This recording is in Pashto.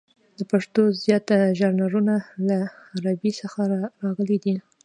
د پښتو زیات ژانرونه له عربي څخه راغلي دي.